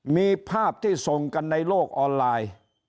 มีภาพที่ส่งกันในโลกออนไลน์